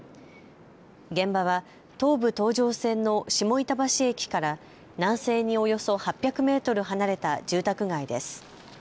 現場は東武東上線の下板橋駅から南西におよそ８００メートル離れた住宅街です。